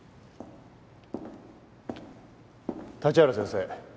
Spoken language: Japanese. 立原先生